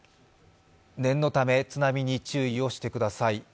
念のため津波に注意をしてください。